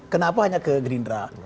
kenapa hanya ke gerindra